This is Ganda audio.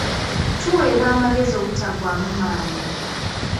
Tuweebwa amagezi obutaggwaamu maanyi.